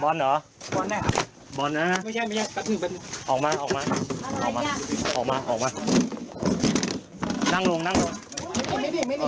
กระทึงไปออกมาออกมาออกมาออกมานั่งลงนั่งลงไม่หนีไม่หนี